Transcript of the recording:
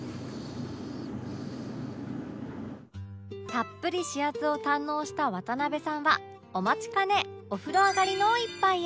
たっぷり指圧を堪能した渡辺さんはお待ちかねお風呂上がりの一杯へ